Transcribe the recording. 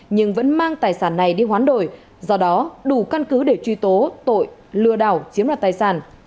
nhưng vẫn mang tài sản này đi hoán đổi do đó đủ căn cứ để truy tố tội lừa đảo chiếm đoạt tài sản